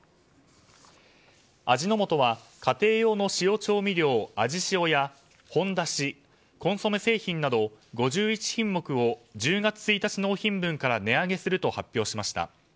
味の素は家庭用の塩調味料アジシオやほんだし、コンソメ製品など５１品目を１０月１日納品分から値上げすると発表しました。